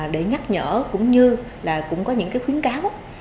để nhắc nhở cũng như là cũng có những cái khuyến cáo